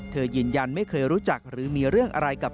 ยืนยันไม่เคยรู้จักหรือมีเรื่องอะไรกับ